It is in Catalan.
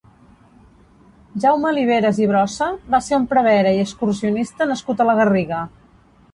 Jaume Oliveras i Brossa va ser un prevere i excursionista nascut a la Garriga.